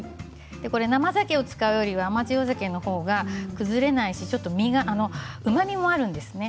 これは生ざけを使うよりは甘塩ざけのほうが崩れないし身にうまみもあるんですね。